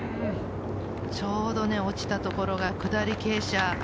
ちょうど落ちたところが下り傾斜。